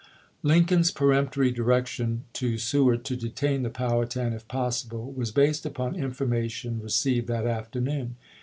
Lincoln's peremptory direction to Seward to detain the Powhatan if possible was based upon information received that afternoon.